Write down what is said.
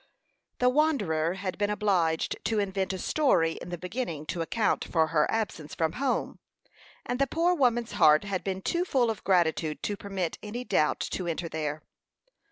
The wanderer had been obliged to invent a story in the beginning to account for her absence from home, and the poor woman's heart had been too full of gratitude to permit any doubt to enter there.